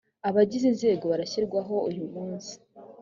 abagize inzego barashyirwaho uyumunsi.